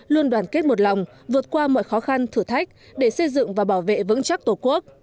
luôn đoàn kết một lòng vượt qua mọi khó khăn thử thách để xây dựng và bảo vệ vững chắc tổ quốc